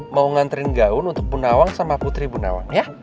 mau nganterin gaun untuk bu nawang sama putri bu nawang ya